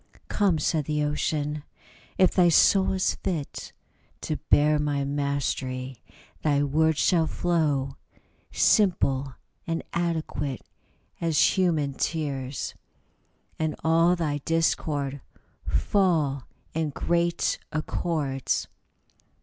" Come," said the Ocean, " if thy soul is fit To bear my mastery, thy words shall flow Simple and adequate as human tears, And all thy discord fall in great accords."